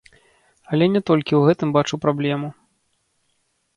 Але не толькі ў гэтым бачу праблему.